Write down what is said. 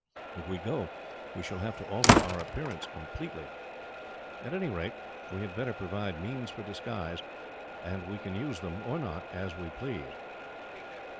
If we go, we shall have to alter our appearance completely. At any rate, we had better provide means for disguise, and we can use them, or not, as we please."